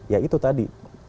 ya itu tadi